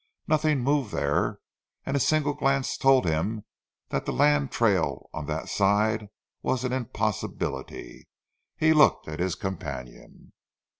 Nothing moved there, and a single glance told him that the land trail on that side was an impossibility. He looked at his companion.